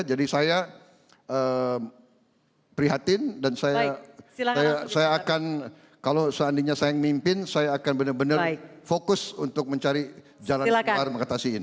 jadi saya prihatin dan saya akan kalau seandainya saya mimpin saya akan benar benar fokus untuk mencari jalan selalu mengatasi ini